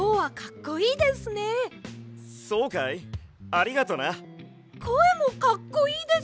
こえもかっこいいです！